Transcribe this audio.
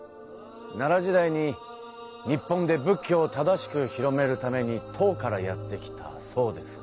奈良時代に日本で仏教を正しく広めるために唐からやって来た僧です。